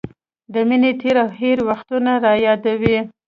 د مینې تېر او هېر وختونه رايادوي.